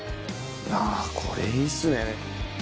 あぁこれいいっすね。